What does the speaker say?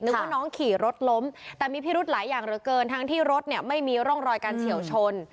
ว่าน้องขี่รถล้มแต่มีพิรุธหลายอย่างเหลือเกินทั้งที่รถเนี่ยไม่มีร่องรอยการเฉียวชน